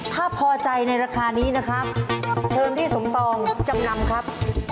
ถ้าพอใจในราคานี้นะครับเชิญพี่สมปองจำนำครับ